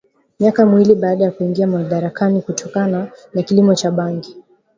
miaka miwili baada yake kuingia madarakani kutokana na kilimo cha bangi